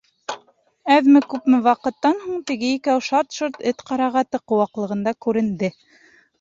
Әҙме-күпме ваҡыттан һуң теге икәү шарт-шорт эт ҡарағаты ҡыуаҡлығынан күренде.